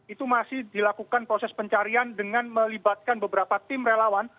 itu masih dilakukan proses pencarian dengan melibatkan beberapa tim relawan